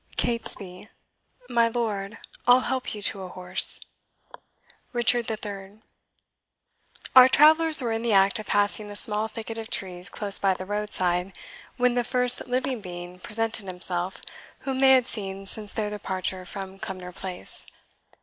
CATESBY......My lord, I'll help you to a horse. RICHARD III. Our travellers were in the act of passing a small thicket of trees close by the roadside, when the first living being presented himself whom they had seen since their departure from Cumnor Place.